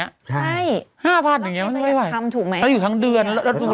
ใช่แล้วแม่งจะอย่างคำถูกไหมอยู่ทั้งเดือนแล้วรัฐบุรีแรมใช่๕๐๐๐อย่างนี้มันไม่ไหว